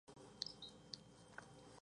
Inmediatamente Kazuma sospecha de Nishi.